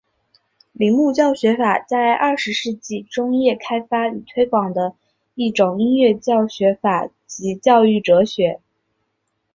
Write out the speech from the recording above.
铃木教学法在二十世纪中叶开发与推广的一种音乐教学法及教育哲学。